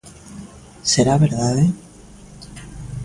Será verdade?